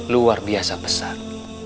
luar biasa besar